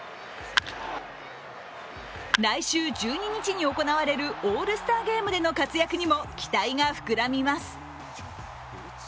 来週１２日に行われるオールスターゲームでの活躍にも期待が膨らみます。